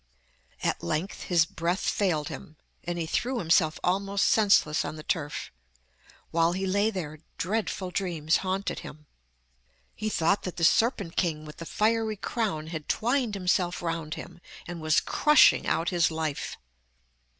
At length his breath failed him, and he threw himself almost senseless on the turf. While he lay there dreadful dreams haunted him. He thought that the serpent king with the fiery crown had twined himself round him, and was crushing out his life.